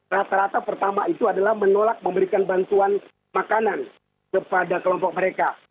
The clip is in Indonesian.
rata rata pertama itu adalah menolak memberikan bantuan makanan kepada kelompok mereka